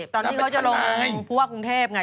ตอนนี้เขาจะลงพวกกรุงเทพไง